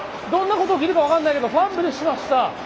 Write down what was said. どんなこと起きるか分かんないけどファンブルしました。